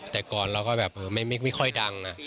แต่ก่อนเราก็แบบไม่ค่อยดัง